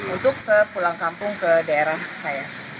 untuk pulang kampung ke daerah saya